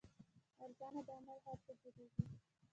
ارزانه درمل هلته جوړیږي.